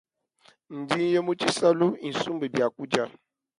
Ndinya mu tshisalu isumbe biakudia.